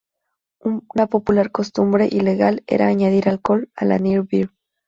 Una popular costumbre ilegal era añadir alcohol a la "near beer".